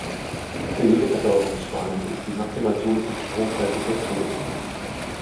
Für jede Versorgungsspannung ist die maximal zulässige Stromstärke festgelegt.